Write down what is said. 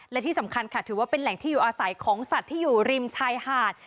และที่สำคัญค่ะถือว่าเป็นแหล่งที่อยู่อาศัยของสัตว์ที่อยู่ริมชายหาด